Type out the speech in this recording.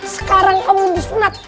sekarang kamu disunat